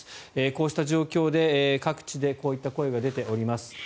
こうした状況で、各地でこういった声が出ております。